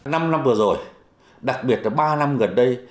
năm năm vừa rồi đặc biệt là ba năm gần đây